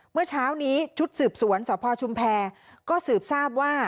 เมื่อเช้านี้ชุดสืบสวนสพชุมแพรก็สืบทราบว่า